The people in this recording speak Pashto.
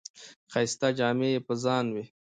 ښایسته جامې یې په ځان وې.